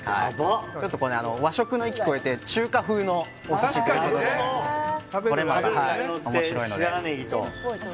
和食の域を超えて中華風のお寿司でこれもまた面白いので。